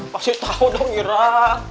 kasih tahu dong irah